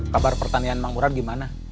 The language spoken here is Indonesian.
kabar pertanian mang murad gimana